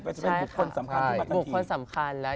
เพราะจะเป็นบุคคลสำคัญขึ้นมาทันที